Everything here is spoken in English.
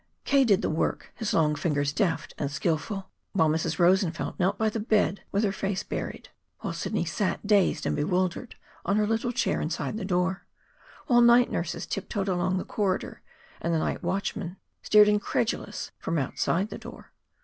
K. did the work, his long fingers deft and skillful while Mrs. Rosenfeld knelt by the bed with her face buried; while Sidney sat, dazed and bewildered, on her little chair inside the door; while night nurses tiptoed along the corridor, and the night watchman stared incredulous from outside the door.